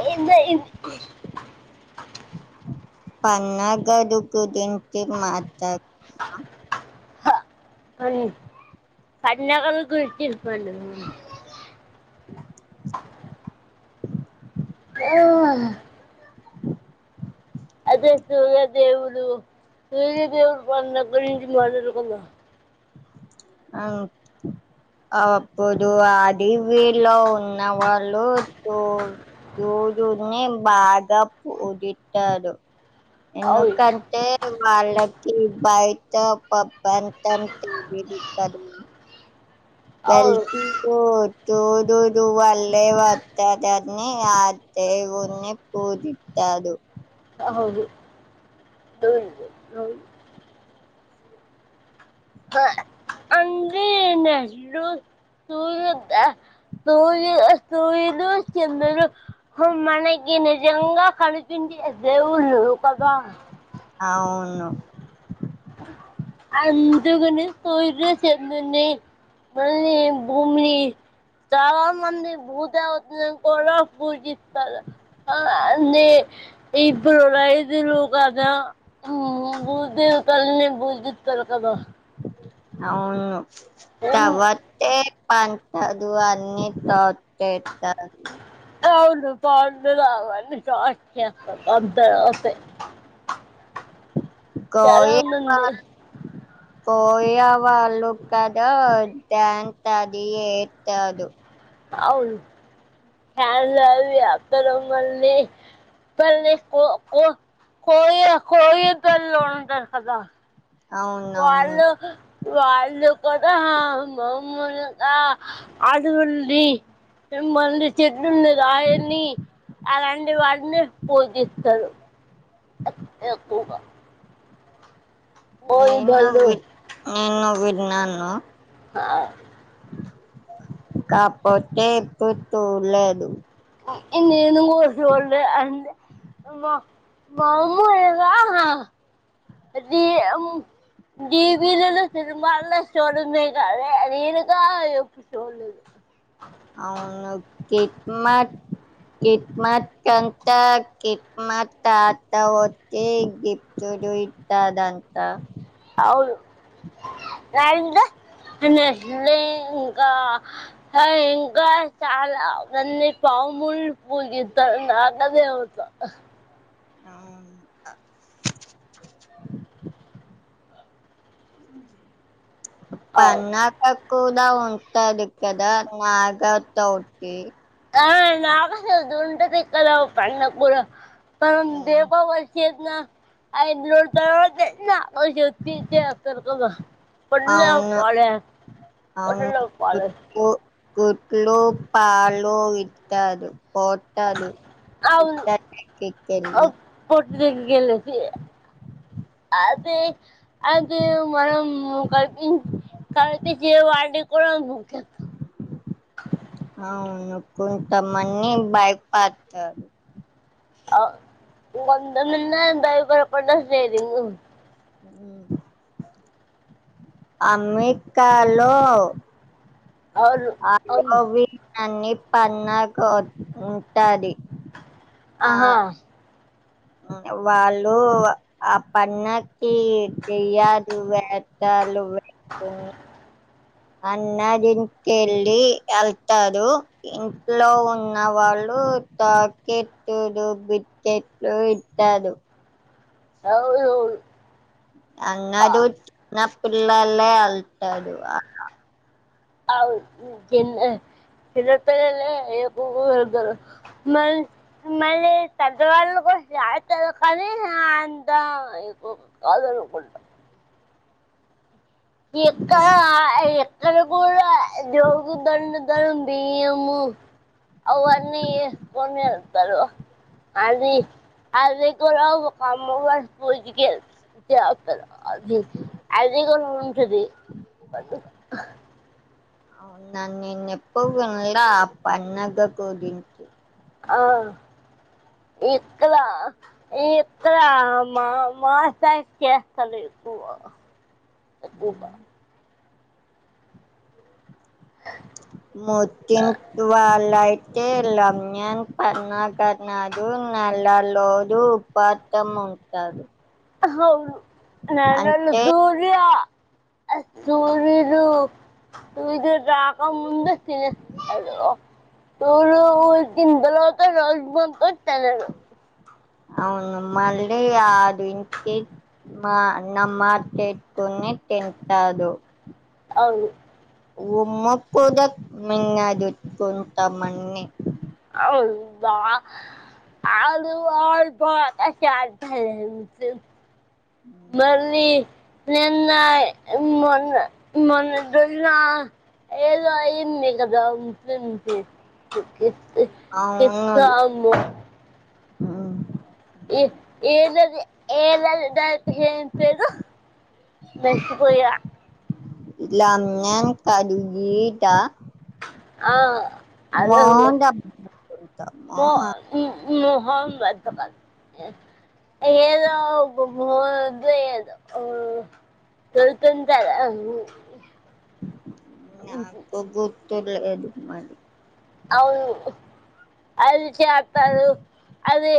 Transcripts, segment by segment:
ఏందో ఎన్ పన్న గదు కొద్దిగాన్ సేపు మాట్లాడిన మరి పండగల గురించి చెప్పండి ఎఉఅహ అదే సూర్య దేవుడు లేదే పండగ గురించి మాట్లాడుకుందాం. అవు అప్పుడు అది వీలో ఉన్న వాళ్ళు సూర్యున్ని బాగా పోగేట్టారు. అవును ఎందుకంటే వాళ్ళకి బయట పబంతం తెలీదు కదా అవును వెల్కి పోద్ సూర్యుడు వళ్లే వత్తదన్ని ఆ దేవున్ని పూజిత్త కాదు అవదు దున్ నిన్నేది లు సూర్యుడు వద్ద సూయ సూర్యుడు, చంద్రుడు మనకి నిజంగా కనిపించి దేవుల్ కద అవును అందుగుని సూర్యుడు, చంద్రుడుని మల్లి భూమిని చాలా మంది భూదేవతలను కూడా పూజిస్తారు. అ ఆ ఉంది ఈ బలుడయిది లో కద బుది తల్లి ని పూజిస్తారు కదా అవును తవాతే పంతా దు అన్ని తర్వాత చెత్త ఎంతో బావుంటది అమెరికా అని చెత్తరు ద్ద ఆపే చాలా ఉందంది కోయావా ళ్లు కద డాన్స్ అది ఏత్తదు అవును పెన్లు అవి ఏతారు మళ్ళీ పల్ కో కో కో కోయి దల్ లో ఉంద కద అవును అవును వాళ్ళు కదా ఆ మామ్మలుగా అడవుల్ని మిమ్మలిని చె నుండు రాయని అలాంటి వాడిని పోజిస్తారు ఎక్ ఎక్కుగ నేను విన్ నేను విన్నాను కాకపోతే పొత్తు లేదు ఎన్ని నేను కోచల్ అండ్ [unintelligible] మ మాములుగ అది టీవీలలో సినిమాల చుడమే కాదే అది రేనుకా ఎపిసోడ్ [unintelligible] అవును చెట్ మట్ కిట్ మత్ కంత కిట్ మత్ తాత గిఫట్ ఇది ఇట్ట అదంతా అవును నారింద ఇంకా చాలా అన్ని ప [unintelligible] మామూలు పూజిస్త నాగదేవత అవును అ ఉమ్ పన్నా పాకుల్ ఉంటాది కద నాగ చౌతి ఏ నాగుల చవితి ఉంటది ఇక్కడ ఉమ్, దీపావళి [unintelligible] చేసిన ఐదు రోజుల తర్వాత చేసిన [unintelligible] కొన్నే అవును పాలే అవును పోసినవ పాలె గుడ్లు గుడ్లు, పాలు, ఇత్తాదు పాలు [unintelligible] ఓహ్ పట్ ద గేలిసి అదే అది మనము కాతే వాడి కో [unintelligible] అవును కొంతమంది భయపడతరు ఆ వంత నిన్న ఎంత భయపడకుండా చేసిండ్రు ఉమ్ అమెకాలో అవును అలో అవును వినన్ని పన్నకు ఉంటది [unintelligible] ఆ ఆహా వాళ్ళు ఆ పన్నకి తెయ్యదు వేత్త ఆళ్లు వెతున్ అన్న దీనిక చెల్లి వెళ్తారు ఇంట్లో ఉన్న వాళ్ళు టాకెట్డు, బికెట్లు, ఇత్తాడు అవునువును అందరు చిన్న పిల్లలే వెళ్తారు అక్కడ అవు చిన్న చిన్న పిల్లలే ఏకురు వెళ్తారు మల్ మళ్ళీ పెద్దవాళ్ళ కోసం జాతర కానీ అంతదు [unintelligible] ఎక్క ఎక్కడ కూడ జ్యోగు దధరం బియ్యము అవన్నీ ఏసుకుని వెళ్తరు అది అది కూడ ఒక మోడల్ స్కూల్ కి వెళ్త అ అది కూడ ఉంటది అవున నేను ఎప్పుడు తిన పండగ రోజు తింట [unintelligible] ఆ ఇక్కడా ఇక్కడా మా మా సైడ్ చేస్తలేరు. ఎక్కువ ఎక్కువగ చే లమ్యన్ పన్నగ నాడు నల లోజు ఉపాతము ఉంటారు. అవును నెల అంటే రోజులా అ సూర్యుడూ నువ్ ఇటు రాక ముందు తినేస్తారు సూర్యుడు పోయి వచ్చిన్ తర్వాత రోజు మొత్తం తెలీదు అ అవును మళ్ళీ ఆ అది ఇన్ కేస్ మా నమాజ్ చేసుకొని ఇంతాలో అవును ఉమ్మ కుదక్ మీన్న చూస్కుంటాం మన్ని బావ ఆలువా పోహా [unintelligible] మళ్ళీ నిన్నాయి మొన్న మొన్న దున్నా ఏదో అయింది కదా ముస్లిమ్కి [inaudible] ఇస్ కిస్సాము ఆ ఎ ఏదది ఏదది దాన్ ఏం పేరు మర్చిపోయా ఇలా నేమ్ కాదు గీత ఆ అల్లుడు పోడ్ దబ్బుకుంటాం మో మోహం మ్ మొహం [inaudible] ఏదో బొమ్ మోదేదు తెలుతుంతదా నాకు గుర్తులేదు మరి అవును అది చెప్పారు అది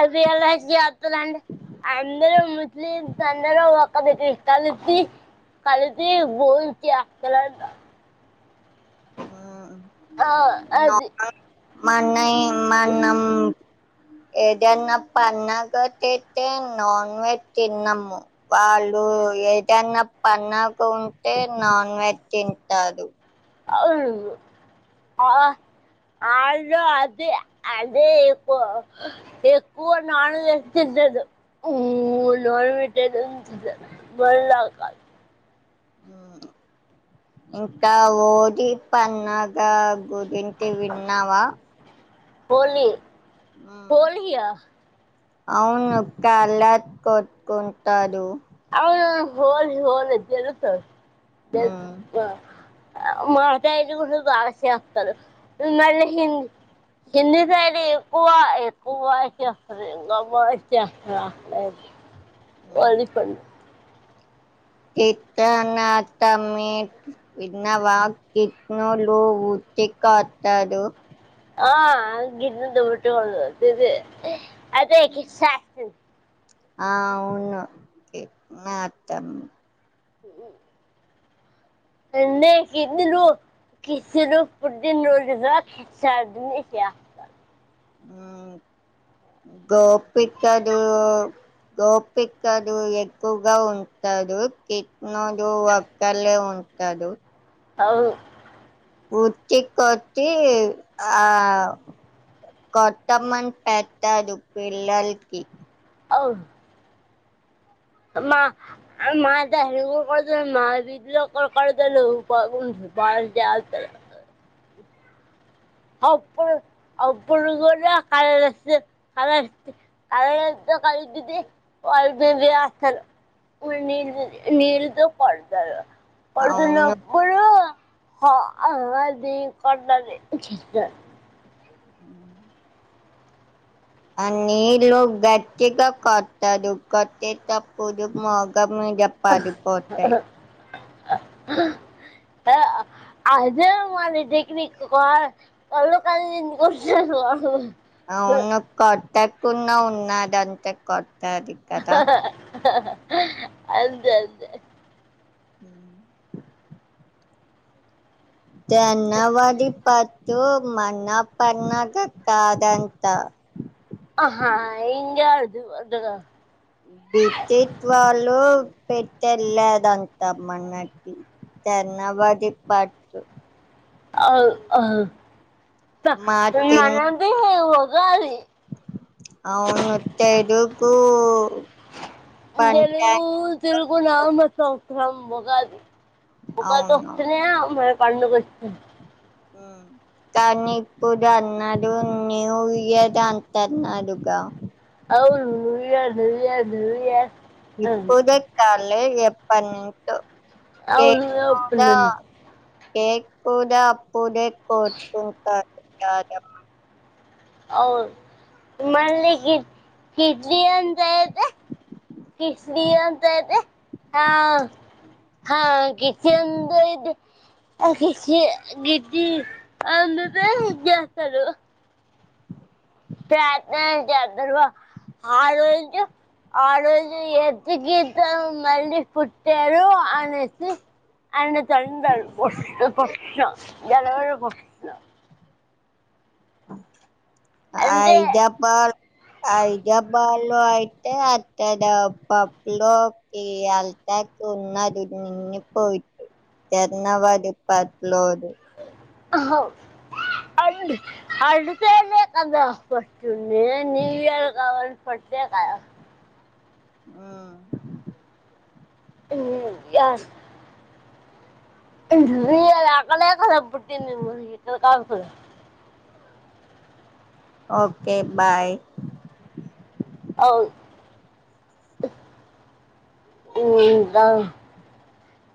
అది అలాగే అత్తలండ అందరు ముస్లిమ్స్ అందరు ఒక దగ్గర కలిసి కలిసి బోన్ చేస్తలంట. ఉమ్ ఆ అది మనై మనం ఏదన్న పన్నగ చేత్తే నాన్ వెెజ్ తినము వాల్ లు ఏదన్నా పన్నగ ఉంటే నాన్ వెజ్ తింటారు. అవును ఆ ఆళ్ళు అదే అదే ఎక్కువ ఎక్కువ నాన్ వెజ్ తిన్ టరు మ్ నాన్ వేజే తింటరు మన లాగా కాదు ఇంకా ఓలి పన్నాగా గురించి విన్నావా? హోలీ హోలియా అవును కలర్స్ కొట్కుంటాలు అవును హోలీ హోలీ తెలుసు తెలుసు ఆ ఆ మా దగ్గర గుడ బాగా చేస్తారు ఉన్నారే హిందీ హిందీ సైడ్ ఎక్కువ ఎక్కువ చేస్తారు [unintelligible] ఆ వరి పండు ఇత్తన్న తమ్మి విన్నావా కిత్నూలు తిక్క అత్తదు ఆ గిడ్ దుబ్బట్ట ఉదుది అదే క్రిష్ణస్టమి ఆ అవును కిత్నత్తమి ఉ ఉ ఎండే చిన్నులు కిస్నుడు పుట్టిన రోజున సర్ద్మి చేస్తా గోపికలు గోపికలు ఎక్కువగా ఉంటరు కిట్నూడు ఒక్కలే ఉం ఉంటాడు అవ్ను ఉచ్చి కొట్టి ఆ కొత్తమన్ పెట్టరు పిల్లల్కి అవ్ మా మా దగర కూడ కొడతారు మా విధిలో కూడ కొడతాలు బల్ జాతార [inaudible] అప్పు అప్పుడు కూడా కళ్ళు తి కలర్ తి కలర్ కలర్ తో కల్పిది వాళ్ద వసలు నీల్ నీళ్తో కొడతారు అవును పడుతున్నప్పుడు క ఆ అన్నది కొడతాది చ్చిక ఆ [inaudible] అ నీళ్లు గట్టిగ కొట్టారు కొట్టె టప్పుడు మోగం మ్ జప్పది పోతాయ్ [inaudible] అదే మరి టెక్నిక్ గో రెండు కళ్ళు దించుకొని యాహు అవును కొట్టకుండా ఉన్నదంతే కొట్టది కదా అంతే అంతే ఉ తెనవాది ప టు మన పన్నగ కాదంత ఆహా ఇంగ్ యార్ధి పండగ బితిత్వాలు పెట్టళ్లేదంత మనకి తనా బధక్ పట్ అవు అ త మా చిన్న మనది ఉగాది అవును తెలుగు పంట కున్నామ సంవత్సరం ఉగాది ఉగాది వస్తనే అవునవును పండుగొచ్చి కానీ ఇప్పుడ అన్నాడు న్యూ ఇయర్ ద అంతన్నాడు ద్ద అవును new year new year new year అని. ఇప్పుడే కాలేజ్ ఎప్పటి నుంచో అవును కేక్ ఒప్పన్ కూడా కేక్ కుడా అప్పుడే కోతుతర్ రాధమ్మ అవ్ మల్లి గి గిడ్లీ అంతఅయితే కిస్ీ అంత అయితే ఆ హా గిచంద్ ది గిది [unintelligible] పెద్ నాన చెత్తడు గ ఆ రోజు ఆ రోజు ఎదుగితే మళ్ళీ పుట్టే టరు అనేసి అన్న తొందారు [unintelligible] అంటే హైదబాద్ హైదబాద్ లో అయితే అక్కడ పప్పు లోకి ఎల్తకి ఉన్నది న్న పోయి జన్నావరి పది పట్లోదు హ అ అడితేనే కందా పట్ే న్యూ ఇయర్ కాబట్టి ఫస్ట్ కాద్ ఆ మ్ ఎస్ [unintelligible] ఓకే బాయ్ అవ్